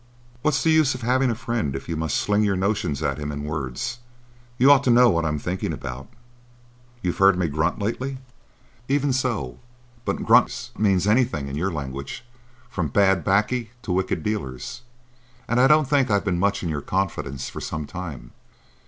"What's the use of having a friend, if you must sling your notions at him in words? You ought to know what I'm thinking about. You've heard me grunt lately?" "Even so; but grunts mean anything in your language, from bad "baccy to wicked dealers. And I don't think I've been much in your confidence for some time."